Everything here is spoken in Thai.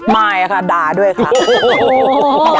ไม่ค่ะด่าด้วยค่ะ